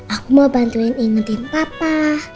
aku mau bantuin ingetin papa